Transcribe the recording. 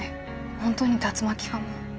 本当に竜巻かも。